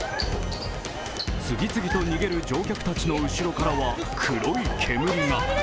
次々と逃げる乗客たちの後ろからは黒い煙が。